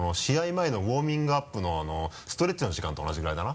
前のウオーミングアップのストレッチの時間と同じぐらいだな。